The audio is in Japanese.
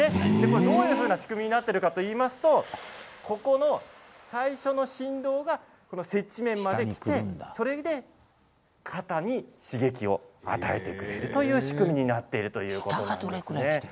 どういう仕組みになっているかといいますと最初の振動が接地面まできて、それで肩に刺激を与えているという仕組みになっています。